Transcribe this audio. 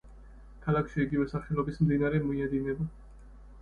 ქალაქში იგივე სახელობის მდინარე მიედინება.